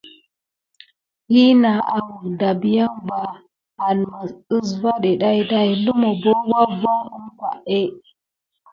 Hina awək dabiaŋ va anməs nasvaɗé ɗayɗay, lumu bo wavoŋ əmpahé.